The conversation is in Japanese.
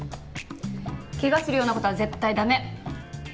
怪我するような事は絶対駄目！